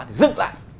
thì dựng lại